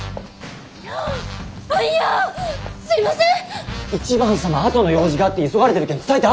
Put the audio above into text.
すいません！